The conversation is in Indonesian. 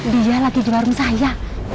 dia lagi di warung saya